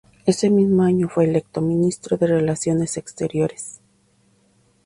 Ese mismo año fue electo Ministro de Relaciones Exteriores.